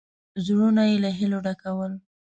زړونه یې له هیلو ډکول.